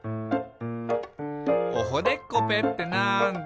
「おほでっこぺってなんだ？」